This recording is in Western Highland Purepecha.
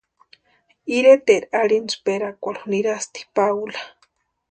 Iretaeri arhintsperakwarhu nirasti Paula.